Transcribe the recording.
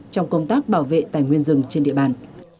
trong công tác bảo vệ tài nguyên rừng trên địa bàn